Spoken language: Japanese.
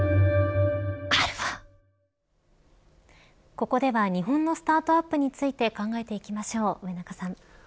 ここでは日本のスタートアップについて考えていきましょう、上中さん。